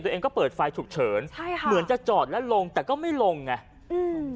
ตัวเองก็เปิดไฟฉุกเฉินใช่ค่ะเหมือนจะจอดแล้วลงแต่ก็ไม่ลงไงอืม